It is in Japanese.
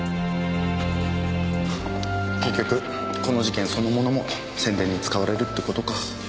結局この事件そのものも宣伝に使われるってことか。